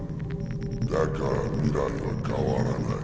だから未来は変わらない。